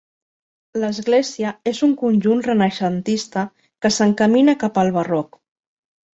L'església és un conjunt renaixentista que s'encamina cap al barroc.